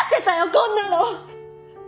こんなの！